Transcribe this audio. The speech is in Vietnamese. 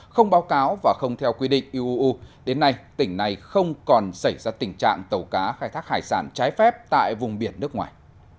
không báo cáo và không theo quy định uuu đến nay tỉnh này không còn xảy ra tình trạng tàu cá khai thác hải sản trái phép tại vùng biển nước ngoài